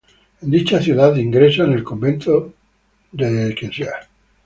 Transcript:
En dicha ciudad ingresa en el Convento de Ntra.